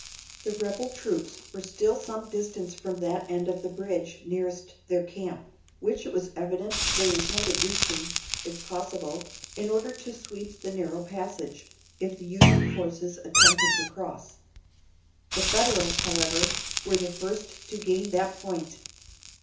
The rebel troops were still some distance from that end of the bridge nearest their camp, which it was evident they intended reaching, if possible, in order to sweep the narrow passage, if the Union forces attempted to cross. The Federals, however, were the first to gain that point.